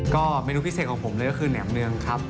ก็เมนูพิเศษของผมเลยก็คือแหนมเนืองครับ